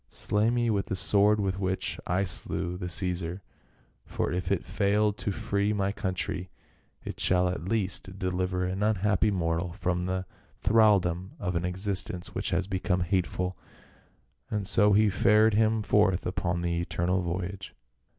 " Slay me with the sword with which I slew the Ceesar ; for if it failed to free my country, it shall at least deliver an unhappy mortal from the thraldom of an existence which has become hateful." And so he fared him forth upon the eternal voyage.